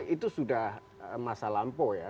itu sudah masa lampau ya